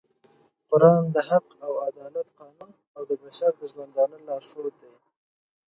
قرآن د حق او عدالت قانون او د بشر د ژوندانه لارښود دی